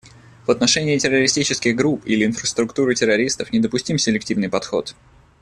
В отношении террористических групп или инфраструктуры террористов недопустим селективный подход.